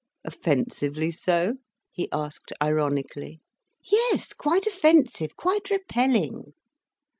"Offensively so?" he asked ironically. "Yes, quite offensive. Quite repelling."